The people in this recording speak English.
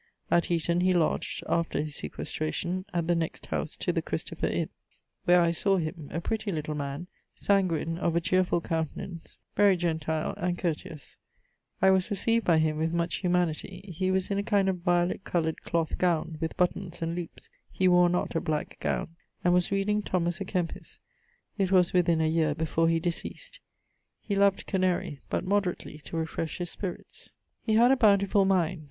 At Eaton he lodged (after his sequestration) at the next house the Christopher (inne), where I sawe him, a prettie little man, sanguine, of a cheerfull countenance, very gentile, and courteous; I was recieved by him with much humanity: he was in a kind of violet colourd cloath gowne, with buttons and loopes (he wore not a black gowne), and was reading Thomas à Kempis; it was within a yeare before he deceased. He loved Canarie; but moderately, to refresh his spirits. He had a bountifull mind.